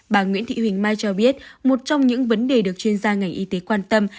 bà nguyễn thị huỳnh mai cho biết một trong những vấn đề được chuyên gia ngành y tế quan tâm